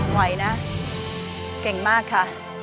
ไหวนะเก่งมากค่ะ